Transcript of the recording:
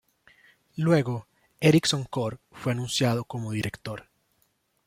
Luego, Ericson Core fue anunciado como director.